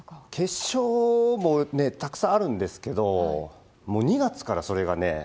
決勝もたくさんあるんですけ２月から？